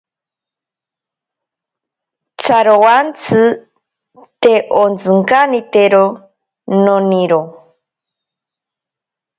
Tsarowantsi te ontsikanitero noniro.